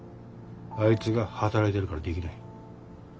あいつが働いてるからできない。